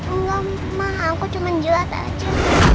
enggak ma aku cuma jilat aja